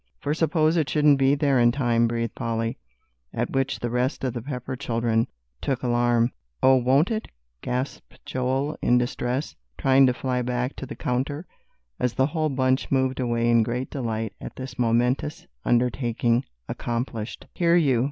"For suppose it shouldn't be there in time!" breathed Polly. At which the rest of the Pepper children took alarm. "Oh, won't it?" gasped Joel, in distress, trying to fly back to the counter, as the whole bunch moved away in great delight at this momentous undertaking accomplished. "Here, you!"